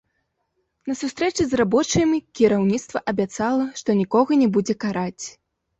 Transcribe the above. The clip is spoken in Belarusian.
На сустрэчы з рабочымі кіраўніцтва абяцала, што нікога не будзе караць.